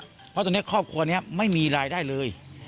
เพราะตอนนี้ครอบครัวนี้ไม่มีรายได้เลย